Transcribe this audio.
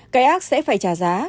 cái ác sẽ phải trả giá